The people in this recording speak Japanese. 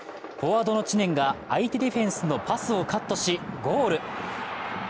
フォワードの知念が相手ディフェンスのパスをカットし、ゴール。